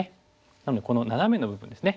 なのでこのナナメの部分ですね。